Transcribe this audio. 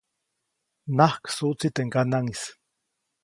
Najksuʼtsi teʼ ŋganaŋʼis.